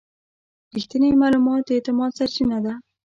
رښتینی معلومات د اعتماد سرچینه ده.